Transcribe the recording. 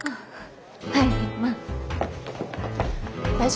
はい。